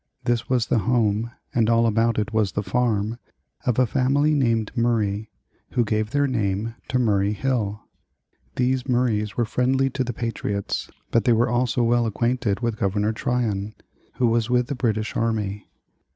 This was the home, and all about it was the farm, of a family named Murray (who gave their name to Murray Hill). These Murrays were friendly to the patriots, but they were also well acquainted with Governor Tryon, who was with the British army.